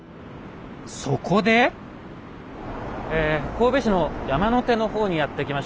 神戸市の山の手の方にやって来ました。